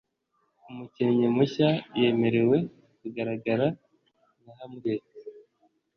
Umukinnyi mushya yemerewe kugaragara nka Hamlet.